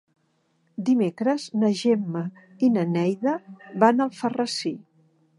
Dimecres na Gemma i na Neida van a Alfarrasí.